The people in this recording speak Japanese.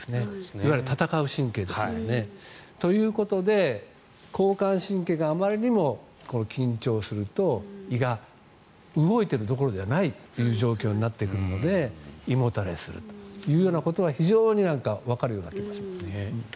いわゆる戦う神経ですね。ということで交感神経があまりにも緊張すると、胃が動いているどころではないという状況になってくるので胃もたれするということは非常にわかるようになってきました。